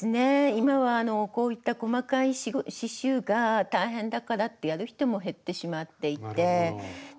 今はこういった細かい刺しゅうが大変だからってやる人も減ってしまっていて。